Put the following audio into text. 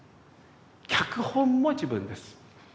脚本も自分です。